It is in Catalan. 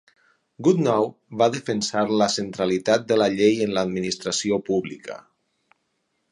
Goodnow va defensar la centralitat de la llei en l'administració pública.